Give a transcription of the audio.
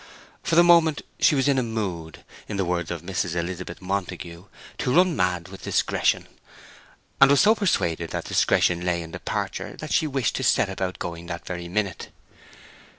For the moment she was in a mood, in the words of Mrs. Elizabeth Montagu, "to run mad with discretion;" and was so persuaded that discretion lay in departure that she wished to set about going that very minute.